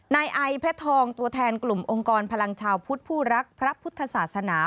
นายไอเพชรทองตัวแทนกลุ่มองค์กรพลังชาวพุทธผู้รักพระพุทธศาสนา